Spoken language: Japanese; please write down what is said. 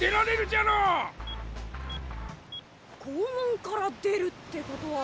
肛門から出るってことは。